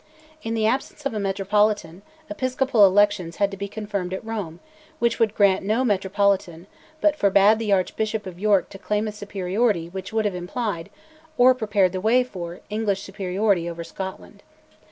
In the absence of a Metropolitan, episcopal elections had to be confirmed at Rome, which would grant no Metropolitan, but forbade the Archbishop of York to claim a superiority which would have implied, or prepared the way for, English superiority over Scotland.